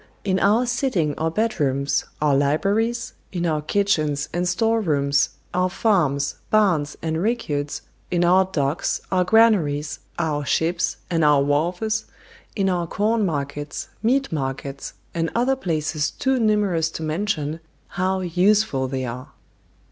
In our sitting or bedrooms, our libraries, in our kitchens and storerooms, our farms, barns, and rickyards, in our docks, our granaries, our ships, and our wharves, in our corn markets, meat markets, and other places too numerous to mention, how useful they are!